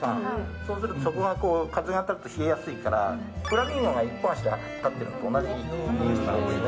そうすると、そこが風が当たると冷えやすいからフラミンゴが１本足で立ってるのと同じ理由なんです。